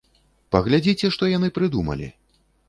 Паглядзіце, што яны прыдумалі!